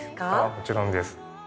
もちろんです。